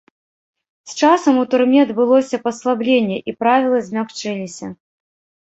З часам у турме адбылося паслабленне і правілы змякчыліся.